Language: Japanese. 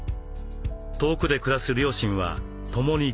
遠くで暮らす両親は共に９０歳。